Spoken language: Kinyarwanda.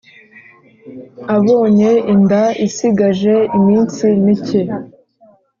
abonye inda isigaje iminsi mike